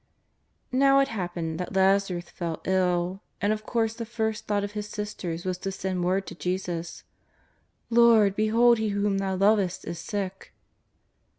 Now it happened that Lazarus fell ill, and, of course, the first thought of his sisters was to send word to Jesus. ^' Lord, behold he whom Thou lovest is sick